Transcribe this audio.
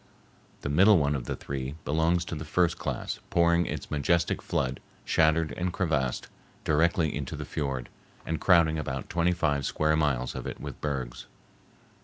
The middle one of the three belongs to the first class, pouring its majestic flood, shattered and crevassed, directly into the fiord, and crowding about twenty five square miles of it with bergs.